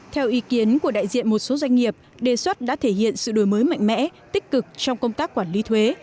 theo ý kiến của đại diện một số doanh nghiệp đề xuất đã thể hiện sự đổi mới mạnh mẽ tích cực trong công tác quản lý thuế